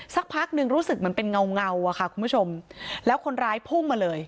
สักพักหนึ่งรู้สึกเหมือนเป็นเงาเงาอะค่ะคุณผู้ชมแล้วคนร้ายพุ่งมาเลย